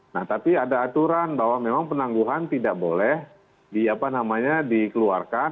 nah tapi ada aturan bahwa memang penangguhan tidak boleh dikeluarkan